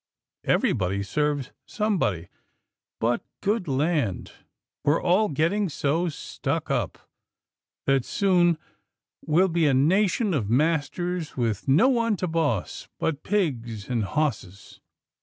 Everybody serves somebody, but, good land! we're all getting so stuck up, that soon we'll 204 'TILDA JANE'S ORPHANS be a nation of masters, with no one to boss but pigs and bosses."